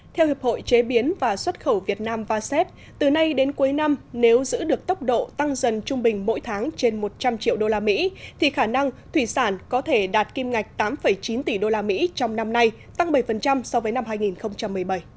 theo hiệp hội chế biến và xuất khẩu việt nam vasep từ nay đến cuối năm nếu giữ được tốc độ tăng dần trung bình mỗi tháng trên một trăm linh triệu usd thì khả năng thủy sản có thể đạt kim ngạch tám chín tỷ usd trong năm nay tăng bảy so với năm hai nghìn một mươi bảy